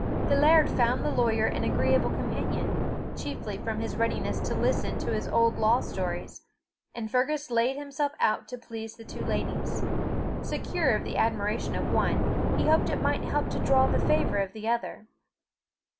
The laird found the lawyer an agreeable companion, chiefly from his readiness to listen to his old law stories, and Fergus laid himself out to please the two ladies: secure of the admiration of one, he hoped it might help to draw the favour of the other.